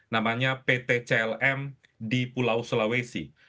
namanya pt clm di pulau sulawesi